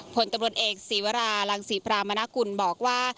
ผลตำรวจเอกศีวรารังศรีพรามณกุลบอกว่า